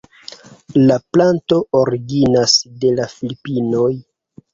La planto originas de la Filipinoj.